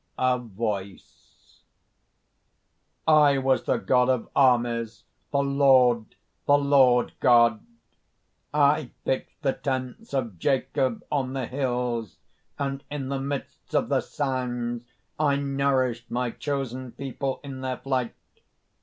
_) A VOICE: "I was the God of Armies, the Lord, the Lord God! I pitched the tents of Jacob on the hills; and in the midst of the sands I nourished my chosen people in their flight.